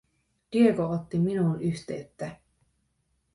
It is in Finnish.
Diego otti minuun yhteyttä.